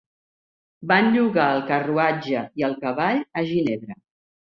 Van llogar el carruatge i el cavall a Ginebra.